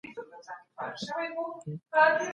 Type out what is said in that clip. دا طریقه له دودیزي لاري اغېزمنه ده.